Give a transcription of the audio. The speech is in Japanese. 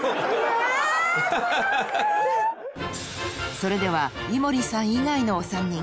［それでは井森さん以外のお三人］